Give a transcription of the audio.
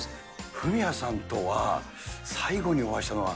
フミヤさんとは、最後にお会いしたのは。